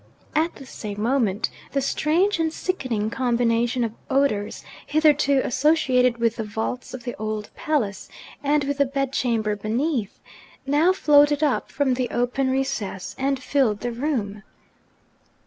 At the same moment, the strange and sickening combination of odours, hitherto associated with the vaults of the old palace and with the bed chamber beneath, now floated up from the open recess, and filled the room.